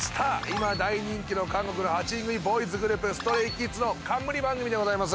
今大人気の韓国の８人組ボーイズグループＳｔｒａｙＫｉｄｓの冠番組でございます。